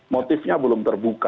motifnya belum terbuka